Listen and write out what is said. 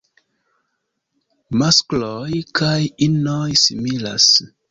Maskloj kaj inoj similas.